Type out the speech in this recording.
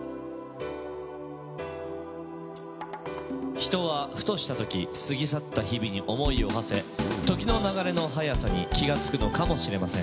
人はふとした時過ぎ去った日々に思いをはせ時の流れの早さに気がつくのかもしれません。